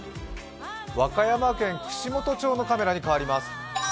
和歌山県串本町のカメラに変わります。